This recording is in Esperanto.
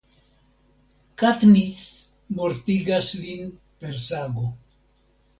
Katniss mortigas lin per sago.